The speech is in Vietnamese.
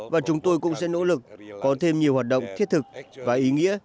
và chúng tôi cũng sẽ nỗ lực có thêm nhiều hoạt động thiết thực và ý nghĩa